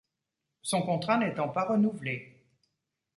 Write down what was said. Son contrat n'étant pas renouvelé.